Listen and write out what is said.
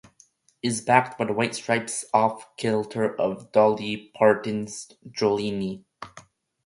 It is backed by The White Stripes' off-kilter cover of Dolly Parton's "Jolene".